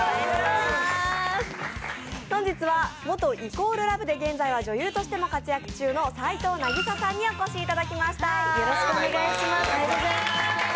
本日は元＝ＬＯＶＥで現在は女優としても活躍中の齊藤なぎささんにお越しいただきました。